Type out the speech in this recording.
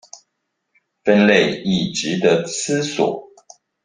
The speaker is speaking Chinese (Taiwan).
分類亦値得思索